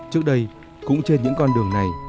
trước đây cũng trên những con đường này